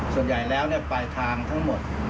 ส่วนใหญ่แล้วปลายทางทั้งหมด